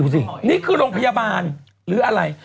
สินี่คือโรงพยาบาลหรืออะไร